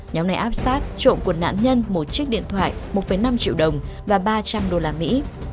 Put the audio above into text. nhóm này áp sát trộm của nạn nhân một chiếc điện thoại một năm triệu đồng và ba trăm linh đô la mỹ